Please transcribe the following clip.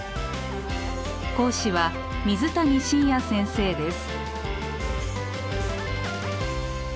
講師は水谷信也先生です。